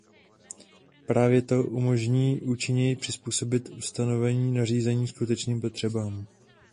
Právě to umožní účinněji přizpůsobit ustanovení nařízení skutečným potřebám.